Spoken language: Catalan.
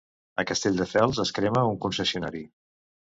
A Castelldefels, es crema un concessionari.